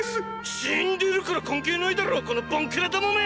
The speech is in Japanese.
死んでるから関係ないだろこのボンクラどもめ！！